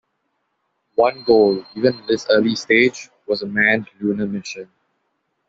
One goal, even in this early stage, was a manned lunar mission.